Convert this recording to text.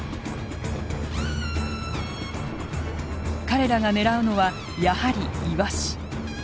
彼らが狙うのはやはりイワシ。